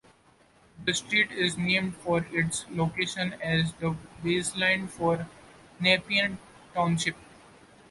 The street is named for its location as the baseline for Nepean Township.